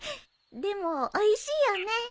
でもおいしいよね。